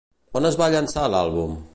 On es va llançar l'àlbum?